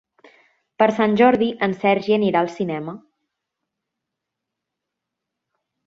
Per Sant Jordi en Sergi anirà al cinema.